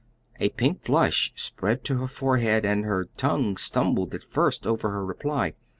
A pink flush spread to her forehead, and her tongue stumbled at first over her reply.